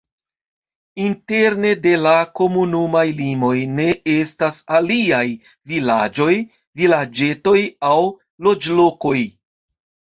Interne de la komunumaj limoj ne estas aliaj vilaĝoj, vilaĝetoj aŭ loĝlokoj.